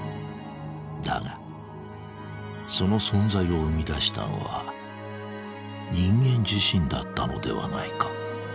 だがその存在を生み出したのは人間自身だったのではないか。